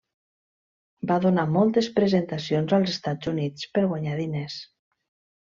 Va donar moltes presentacions als Estats Units per guanyar diners.